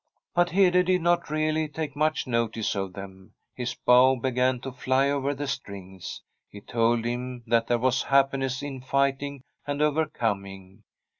But Hede did not really take much notice of them. His bow began to fly over the strings. It told him that there was happiness in fighting and overcoming.